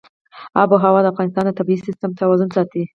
آب وهوا د افغانستان د طبعي سیسټم توازن ساتي.